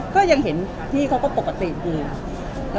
ก็ยังเห็นที่เขาก็ปกติคือ